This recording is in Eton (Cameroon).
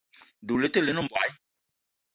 Doula le te lene mbogui.